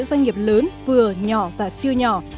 doanh nghiệp siêu nhỏ phải giữ doanh nghiệp lớn vừa nhỏ và siêu nhỏ